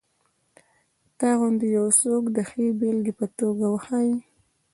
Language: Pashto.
تا غوندې یو څوک د ښې بېلګې په توګه وښیي.